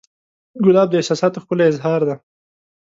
ګلاب د احساساتو ښکلی اظهار دی.